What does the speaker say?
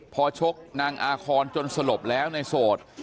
พอชกนางอาคอนจนสลบแล้วในโสด